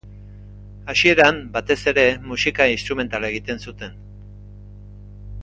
Hasieran, batez ere, musika instrumentala egiten zuten.